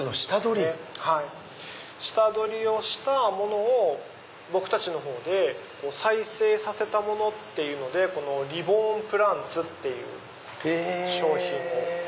下取りをしたものを僕たちで再生させたものっていうのでこのリボーンプランツって商品を。